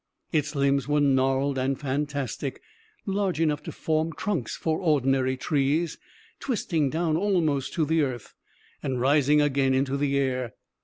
Its limbs were gnarled and fantastic, large enough to form trunks for ordinary trees, twisting down almost to the earth, and rising again into the air.